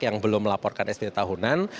yang belum melaporkan sp tahunan